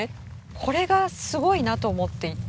これがすごいなと思っていて。